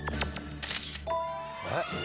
えっ！？